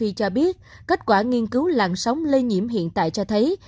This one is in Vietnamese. nam phi cho biết kết quả nghiên cứu làn sóng lây nhiễm hiện tại cho thấy